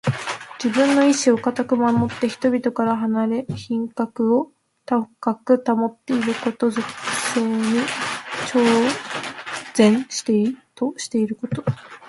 自分の意志をかたく守って、人々から離れ品格を高く保っていること。俗世に超然としていること。